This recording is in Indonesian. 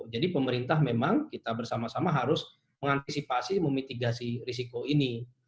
pemerintah memang kita bersama sama harus mengantisipasi memitigasi risiko ini